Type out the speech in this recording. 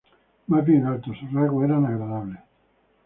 Más bien alto, sus rasgos eran agradables.